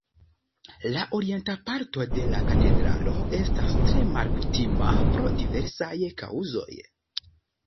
La orienta parto de la katedralo estas tre malkutima pro diversaj kaŭzoj.